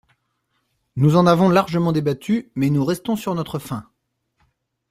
Nous en avons largement débattu, mais nous restons sur notre faim.